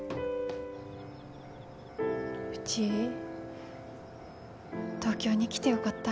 うち東京に来てよかった。